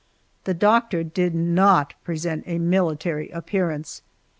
The doctor did not present a military appearance.